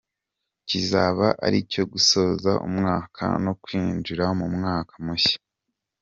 kizaba ari icyo gusoza umwaka no kwinjira mu mwaka mushya.